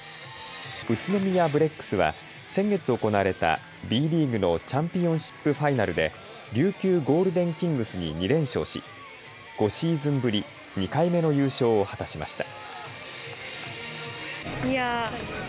宇都宮ブレックスは先月行われたＢリーグのチャンピオンシップファイナルで琉球ゴールデンキングスに２連勝し５シーズンぶり２回目の優勝を果たしました。